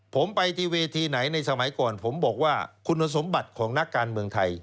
ผมไปที่เวทีไหนในสมัยก่อนผมบอกว่าคุณสมบัติของนักการเมืองไทย